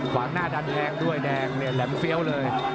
กว้างหน้าดันแรงด้วยแดงและแหลมเฟี้ยวเลย